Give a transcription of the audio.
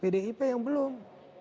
pdip yang belum